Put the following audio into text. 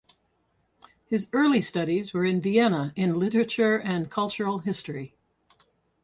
His early studies were in Vienna in literature and cultural history.